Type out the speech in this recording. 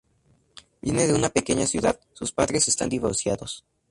Viene de una pequeña ciudad, sus padres están divorciados.